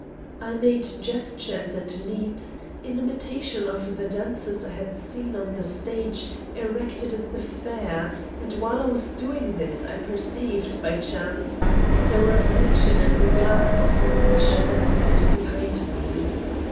I made gestures and leaps, in imitation of the dancers I had seen on the stage erected at the fair, and while I was doing this I perceived, by chance, the reflection in the glass of a niche that stood behind me.